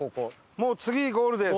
もう次ゴールです。